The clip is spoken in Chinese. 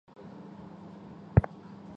希伊人口变化图示